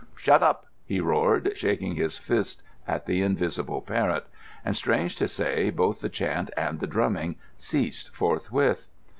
"Shut up!" he roared, shaking his fist at the invisible parrot; and, strange to say, both the chant and the drumming ceased forthwith.